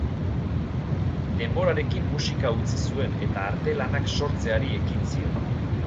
Denborarekin musika utzi zuen eta artelanak sortzeari ekin zion.